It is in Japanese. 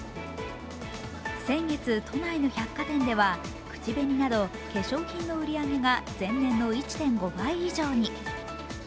先月、都内の百貨店では口紅など化粧品の売り上げが前年の１．５倍以上に。